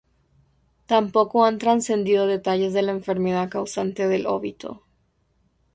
Tampoco han trascendido detalles de la enfermedad causante del óbito.